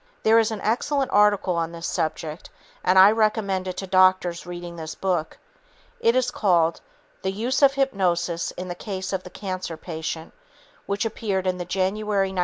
There is an excellent article on this subject, and I recommend it to doctors reading this book. It is called "The Use of Hypnosis in the Case of the Cancer Patient" which appeared in the January 1954 issue of Cancer.